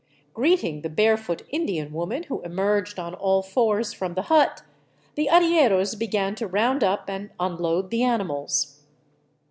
Greeting the barefoot Indian woman who emerged on all fours from the hut, the arrieros began to round up and unload the animals.